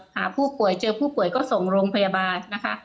หาผู้ป่วยเจอผู้ป่วยก็ส่งโรงพยาบาลนะคะ